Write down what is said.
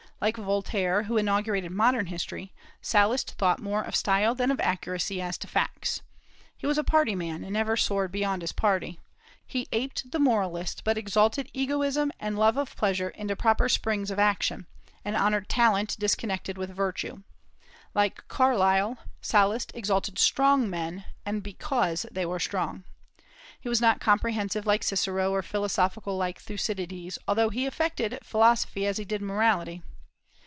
Like Voltaire, who inaugurated modern history, Sallust thought more of style than of accuracy as to facts. He was a party man, and never soared beyond his party. He aped the moralist, but exalted egoism and love of pleasure into proper springs of action, and honored talent disconnected with virtue. Like Carlyle, Sallust exalted strong men, and because they were strong. He was not comprehensive like Cicero, or philosophical like Thucydides, although he affected philosophy as he did morality.